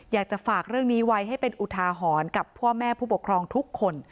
อยากจะฝากเรื่องนี้ไว้ให้เป็นอุทาหรณ์กับพ่อแม่ผู้ปกครองทุกคน